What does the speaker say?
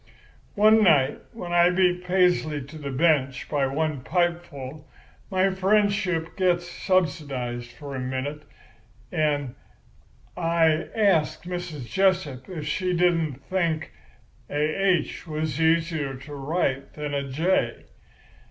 "One night when I beat Paisley to the bench by one pipeful, my friendship gets subsidised for a minute, and I asks Mrs. Jessup if she didn't think a 'H' was easier to write than a 'J.